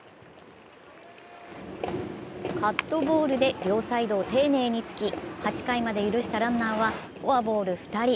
カットボールで両サイドを丁寧に突き８回まで許したランナーはフォアボール２人。